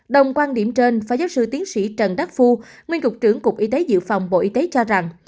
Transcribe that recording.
đồng quan điểm trên phó giáo sư tiến sĩ trần đắc phu nguyên cục trưởng cục y tế dự phòng bộ y tế cho rằng